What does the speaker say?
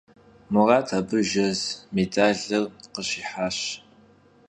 Murat abı jjez mêdalır khışihaş.